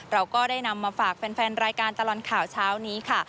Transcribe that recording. เราก็ได้นำมาฝากแฟนรายการตลอดข่าวเช้านี้ค่ะ